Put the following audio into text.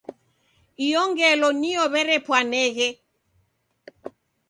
Iyo ngelo niyo w'erepwaneghe.